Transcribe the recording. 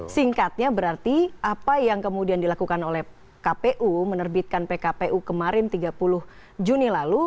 singkatnya berarti apa yang kemudian dilakukan oleh kpu menerbitkan pkpu kemarin tiga puluh juni lalu